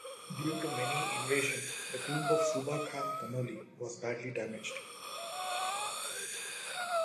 Due to many invasion the tomb of Suba Khan Tanoli was badly damaged.